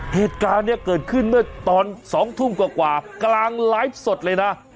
เหตุการณ์เนี่ยเกิดขึ้นเมื่อตอน๒ทุ่มกว่ากลางไลฟ์สดเลยนะ